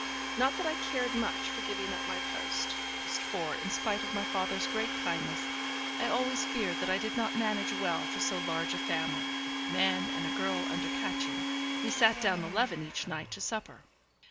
Not that I cared much for giving up my post, for, in spite of my father's great kindness, I always feared that I did not manage well for so large a family (with the men, and a girl under Kätchen, we sat down eleven each night to supper).